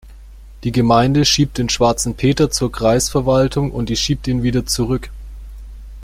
Die Gemeinde schiebt den schwarzen Peter zur Kreisverwaltung und die schiebt ihn wieder zurück.